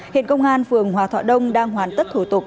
hiện công an phường hòa thọ đông đang hoàn tất thủ tục